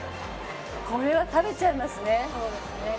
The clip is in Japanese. これは食べちゃいますね。